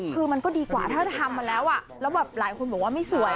คือมันก็ดีกว่าถ้าทำมาแล้วแล้วแบบหลายคนบอกว่าไม่สวย